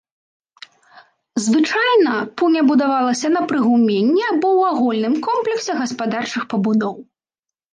Звычайна пуня будавалася на прыгуменні, або ў агульным комплексе гаспадарчых пабудоў.